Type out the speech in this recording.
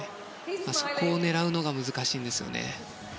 そこを狙うのが難しいんですね。